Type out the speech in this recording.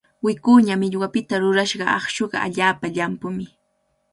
Wikuña millwapita rurashqa aqshuqa allaapa llampumi.